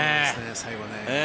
最後はね。